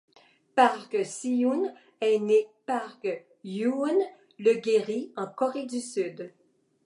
Park Sihyun est née Park Juhyun le Guri en Corée du Sud.